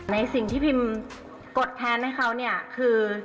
ในสิ่งที่พรีมกดแทนให้เขาคือ